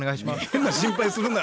変な心配するな！